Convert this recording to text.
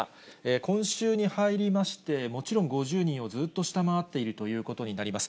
今週に入りまして、もちろん５０人をずっと下回っているということになります。